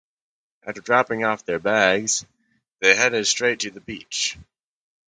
After dropping off their bags, they headed straight to the beach.